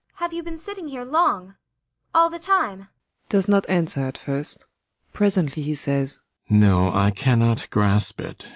] Have you been sitting here long? All the time? ALLMERS. [Does not answer at first. Presently he says.] No, I cannot grasp it.